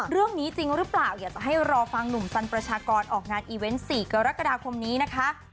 เรื่องนี้จริงหรือเปล่าอยากจะให้รอฟังหนุ่มสันประชากรออกงานอีเวนต์๔กรกฎาคมนี้นะคะ